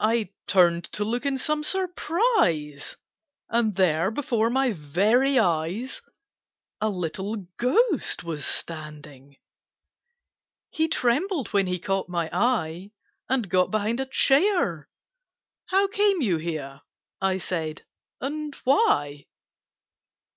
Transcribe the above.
I turned to look in some surprise, And there, before my very eyes, A little Ghost was standing! He trembled when he caught my eye, And got behind a chair. "How came you here," I said, "and why?